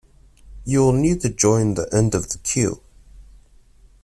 You will need to join the end of the queue.